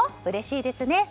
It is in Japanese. うれしいですね。